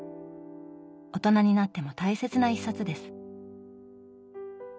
大人になっても大切な一冊です。